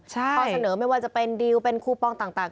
ข้อเสนอไม่ว่าจะเป็นดิวเป็นคูปองต่าง